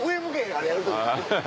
あれやる時。